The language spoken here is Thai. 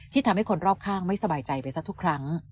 ทำให้คนรอบข้างไม่สบายใจไปสักทุกครั้ง